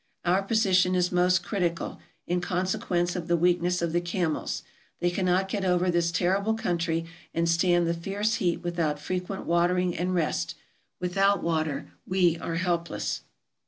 Our position is most critical, in consequence of the weakness of the camels. They cannot get over this terrible country and stand the fierce heat without frequent watering and rest. Without water we are helpless.